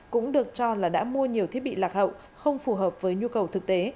cũng được cho là đã mua nhiều thiết bị lạc hậu không phù hợp với nhu cầu thực tế